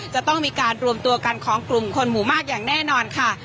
จะต้องมีการรวมตัวกันของกลุ่มคนหมู่มากอย่างแน่นอนค่ะ